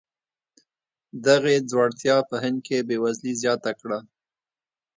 دغې ځوړتیا په هند کې بېوزلي زیاته کړه.